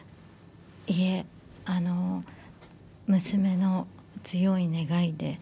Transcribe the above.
いえ娘の強い願いで。